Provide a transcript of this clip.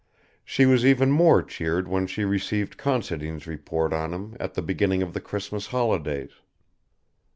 She was even more cheered when she received Considine's report on him at the beginning of the Christmas holidays.